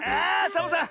サボさん